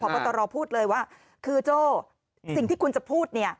พบตรพูดเลยว่าคือโจ้สิ่งที่คุณจะพูดเนี่ย